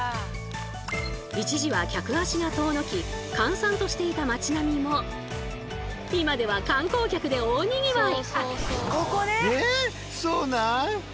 一時は客足が遠のき閑散としていた町並みも今では観光客で大にぎわい！